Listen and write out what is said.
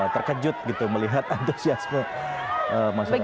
terkejut gitu melihat antusiasme masyarakat